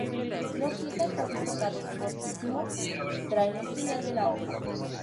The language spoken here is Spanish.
Los siete acordes tocados "fortissimo" traen el final de la obra.